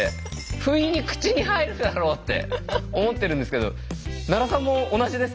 ふいに口に入るだろうって思ってるんですけど奈良さんも同じですか？